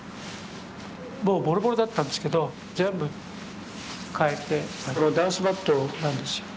もうボロボロだったんですけど全部変えてこれはダンスマットなんですよ。